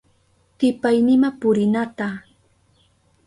Tipaynima purinata,